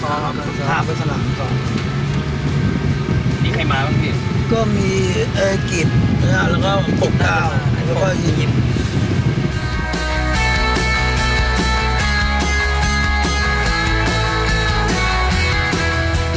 ก็มีกิจแล้วก็กุกกาวแล้วก็ยิงหยิด